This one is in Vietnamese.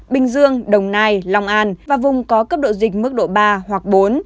bình dương đồng nai long an và vùng có cấp độ dịch mức độ ba hoặc bốn